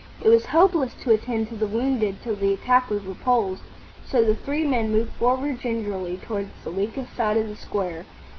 It was hopeless to attend to the wounded till the attack was repulsed, so the three moved forward gingerly towards the weakest side of the square.